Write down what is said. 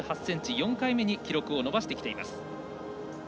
４回目に記録を伸ばしてきています。